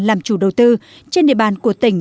làm chủ đầu tư trên địa bàn của tỉnh